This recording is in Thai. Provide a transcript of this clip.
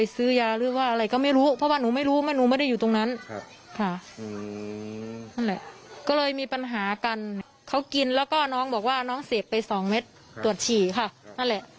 เสพไปส่องเม็ดตรวจฉี่ค่ะนั่นแหละ